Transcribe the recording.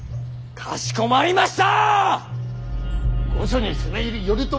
かしこまりました。